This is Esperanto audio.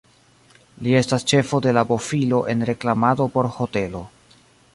Li estas ĉefo de la bofilo en reklamado por hotelo.